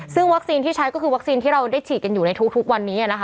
ซึ่งวัคซีนที่ใช้ก็คือวัคซีนที่เราได้ฉีดกันอยู่ในทุกวันนี้นะคะ